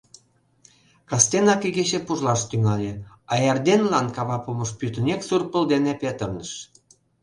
Кастенак игече пужлаш тӱҥале, а эрденлан кава помыш пӱтынек сур пыл дене петырныш.